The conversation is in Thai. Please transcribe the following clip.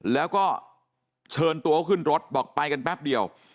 แล้วก็เชิญตัวขึ้นรถบอกไปกันแป๊บเดียว